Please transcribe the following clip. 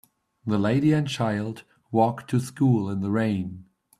The lady and child walk to school in the rain.